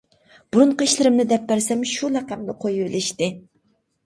بۇرۇنقى ئىشلىرىمنى دەپ بەرسەم شۇ لەقەمنى قويۇۋېلىشتى.